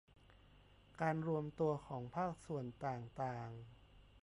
การรวมตัวของภาคส่วนต่างต่าง